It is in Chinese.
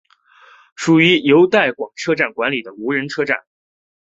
属于由带广车站管理的无人车站。